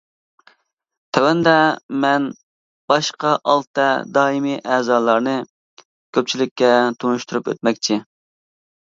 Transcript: تۆۋەندە مەن باشقا ئالتە دائىمىي ئەزالارنى كۆپچىلىككە تونۇشتۇرۇپ ئۆتمەكچى.